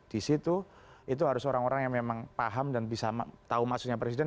di situ itu harus orang orang yang memang paham dan bisa tahu maksudnya presiden